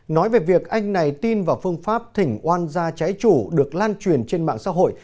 nói về việc anh này tin vào phương pháp thỉnh oan gia trái chủ được lan truyền trên mạng xã hội